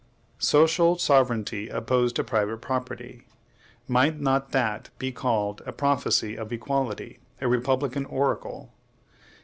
Social sovereignty opposed to private property! might not that be called a prophecy of equality, a republican oracle?